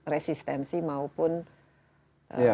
resistensi maupun pemahaman si anak